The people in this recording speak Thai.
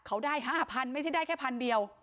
เขาได้๕๐๐๐ไม่ได้แค่๑๐๐๐เดียว